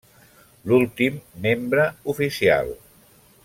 L'últim membre oficial.